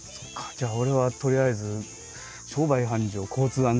じゃあ俺はとりあえず「商売繁盛・交通安全」かな。